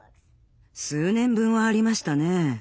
数年分はありましたね。